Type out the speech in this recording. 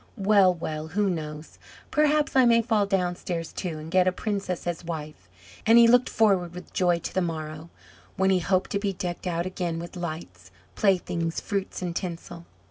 "Well, well! who knows, perhaps I may fall downstairs, too, and get a princess as wife!" And he looked forward with joy to the morrow, when he hoped to be decked out again with lights, playthings, fruits, and tinsel.